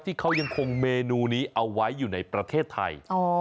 ที่เขายังคงเมนูนี้เอาไว้อยู่ในประเทศไทย